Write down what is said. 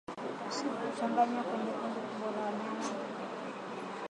Kuchanganywa kwenye kundi kubwa la wanyama